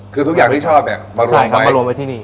คือทุกอย่างที่ชอบเนี่ยมารวมครับมารวมไว้ที่นี่